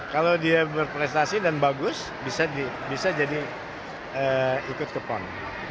kalau dia berprestasi dan bagus bisa jadi ikut ke pon